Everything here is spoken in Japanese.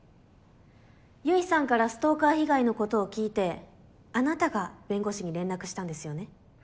結衣さんからストーカー被害のことを聞いてあなたが弁護士に連絡したんですよね？